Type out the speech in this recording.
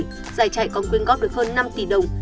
giải trại còn quyên góp được hơn năm tỷ đồng